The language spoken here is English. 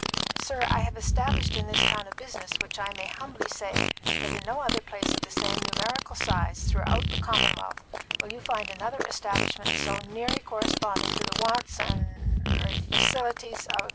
Sir, I have established in this town a business which I may humbly say that in no other place of the same numerical size throughout the commonwealth will you find another establishment so nearly corresponding to the wants and the er facilities of a great city.